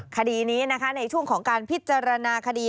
คดีนี้นะคะในช่วงของการพิจารณาคดี